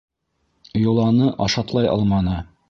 Йоланы ашатлай алманы.